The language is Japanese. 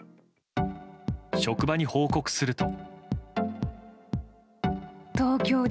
職場に報告すると。